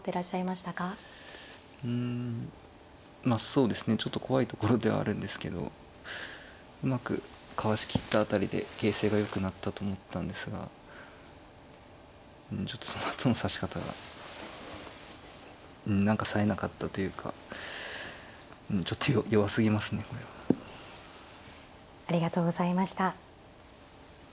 そうですねちょっと怖いところではあるんですけどうまくかわしきった辺りで形勢がよくなったと思ったんですがうんちょっとそのあとの指し方がうん何かさえなかったというかちょっと弱すぎますねこれは。ありがとうございました。